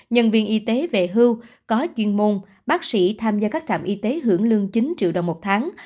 nhân viên y tế về hưu có chuyên môn bác sĩ tham gia các trạm y tế hưởng lương chín triệu đồng một tháng